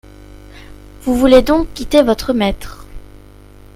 Vous voulez donc quitter votre maître…